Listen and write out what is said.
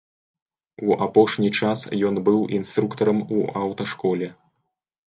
У апошні час ён быў інструктарам у аўташколе.